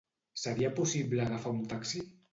Seria possible agafar un taxi?